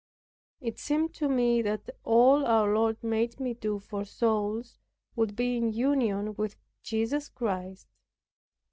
It seemed to me that all our Lord made me do for souls, would be in union with Jesus Christ.